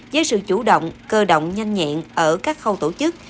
với sự chủ động cơ động nhanh nhẹn ở các khâu tổ chức